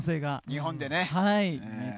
日本でね。